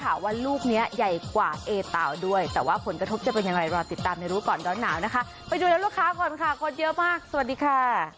ข่าวว่าลูกเนี้ยใหญ่กว่าเอเตาด้วยแต่ว่าผลกระทบจะเป็นยังไงรอติดตามในรู้ก่อนร้อนหนาวนะคะไปดูแล้วลูกค้าก่อนค่ะคนเยอะมากสวัสดีค่ะ